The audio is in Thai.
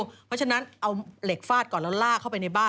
เพราะฉะนั้นเอาเหล็กฟาดก่อนแล้วลากเข้าไปในบ้าน